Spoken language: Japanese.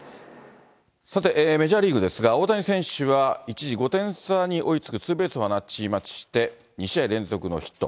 さて、メジャーリーグですが、大谷選手は一時５点差に追いつくツーベースを放ちまして、２試合連続のヒット。